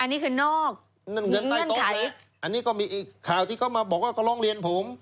อันนี้คือนอกนั่นเงินใต้โต๊ะเล็กอันนี้ก็มีอีกข่าวที่เขามาบอกว่าเขาร้องเรียนผม